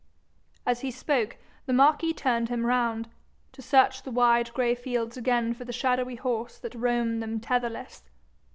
As he spoke the marquis turned him round, to search the wide gray fields again for the shadowy horse that roamed them tetherless.